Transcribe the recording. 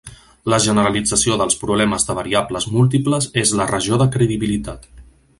La generalització dels problemes de variables múltiples és la regió de credibilitat.